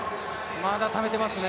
まだためてますね。